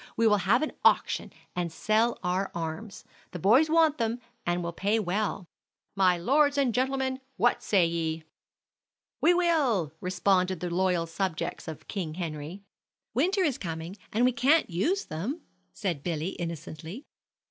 We will have an auction and sell our arms. The boys want them, and will pay well. My lords and gentlemen, what say ye?" "We will!" responded the loyal subjects of King Henry. "Winter is coming, and we can't use them," said Billy, innocently.